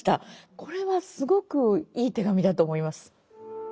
これはすごくいい手紙だと思います。